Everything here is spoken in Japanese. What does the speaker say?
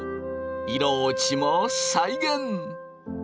色落ちも再現！